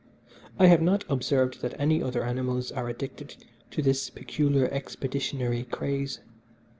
I have not observed that any other animals are addicted to this peculiar expeditionary craze.